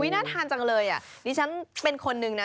น่าทานจังเลยอะ